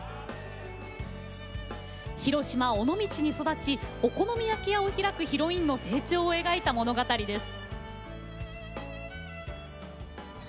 広島・尾道に育ちお好み焼き屋を開くヒロインの成長を描いた物語です。